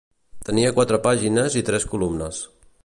Tenia quatre pàgines i tres columnes.